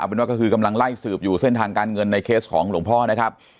เป็นว่าก็คือกำลังไล่สืบอยู่เส้นทางการเงินในเคสของหลวงพ่อนะครับ